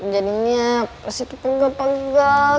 jadinya pasti tuh pegal pegal